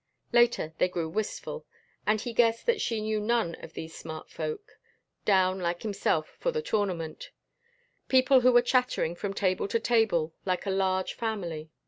Later they grew wistful, and he guessed that she knew none of these smart folk, down, like himself, for the tournament; people who were chattering from table to table like a large family.